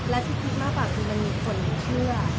แล้วฉันคิดมากกว่าคุณมีคนเชื่อ